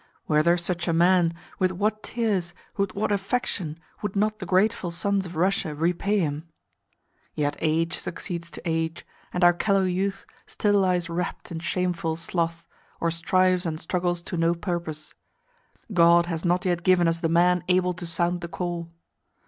Were there such a man, with what tears, with what affection, would not the grateful sons of Russia repay him! Yet age succeeds to age, and our callow youth still lies wrapped in shameful sloth, or strives and struggles to no purpose. God has not yet given us the man able to sound the call.